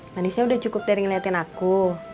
manisnya udah cukup dari ngeliatin aku